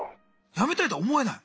やめたいとは思えない。